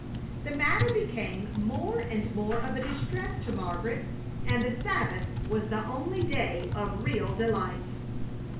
The matter became more and more of a distress to Margaret, and the Sabbath was the only day of real delight.